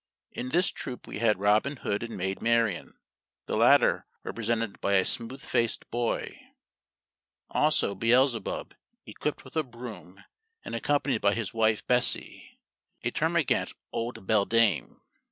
In this troop we had Robin Hood and Maid Marian, the latter represented by a smooth faced boy; also Beelzebub, equipped with a broom, and accompanied by his wife Bessy, a termagant old beldame.